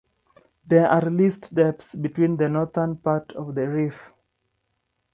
There are least depths between in the Northern part of the reef.